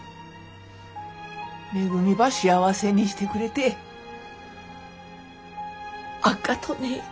めぐみば幸せにしてくれてあっがとね。